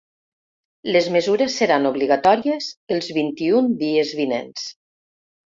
Les mesures seran obligatòries els vint-i-un dies vinents.